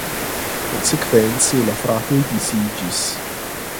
Konsekvence la fratoj disiĝis.